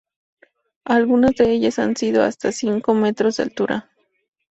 Algunas de ellas han sido Hasta cinco metros de altura.